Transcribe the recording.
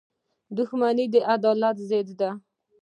• دښمني د عدالت ضد ده.